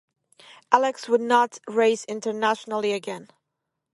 Alex would not race internationally again.